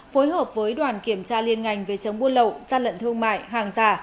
phối hợp với đoàn kiểm tra liên ngành về chống buôn lậu gian lận thương mại hàng giả